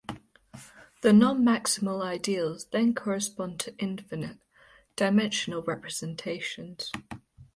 The non-maximal ideals then correspond to "infinite"-dimensional representations.